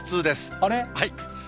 あれ？